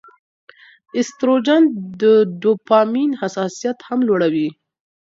ایسټروجن د ډوپامین حساسیت هم لوړوي.